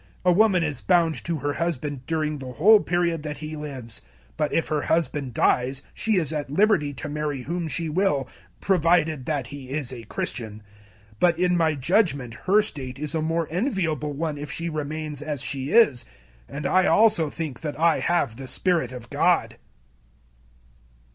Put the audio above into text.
007:039 A woman is bound to her husband during the whole period that he lives; but if her husband dies, she is at liberty to marry whom she will, provided that he is a Christian. 007:040 But in my judgement, her state is a more enviable one if she remains as she is; and I also think that I have the Spirit of God.